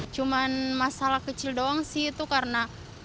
cuma masalah kecil doang sih itu karena